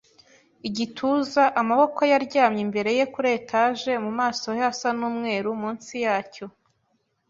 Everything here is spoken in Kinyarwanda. igituza, amaboko ye aryamye imbere ye kuri etage, mu maso he hasa n'umweru, munsi yacyo,